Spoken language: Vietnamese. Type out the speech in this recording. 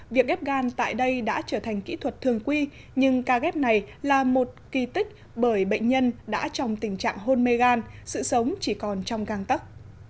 việc ghép gan tại đây đã trở thành kỹ thuật thường quy nhưng ca ghép này là một kỳ tích bởi bệnh nhân đã trong tình trạng hôn mê gan sự sống chỉ còn trong găng tắc